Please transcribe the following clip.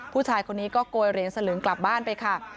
ผู้ชายคนนี้ก็โกยเหรียญสลึงกลับบ้านไปค่ะ